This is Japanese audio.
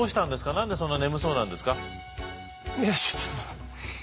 何でそんな眠そうなんですか？